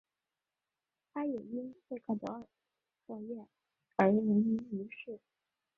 她也因贝克德尔测验而闻名于世。